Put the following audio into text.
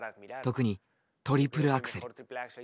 特にトリプルアクセル。